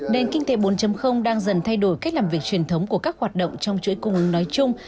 nền kinh tế bốn đang dần thay đổi cách làm việc truyền thống của các hoạt động trong chuỗi cung ứng nói chung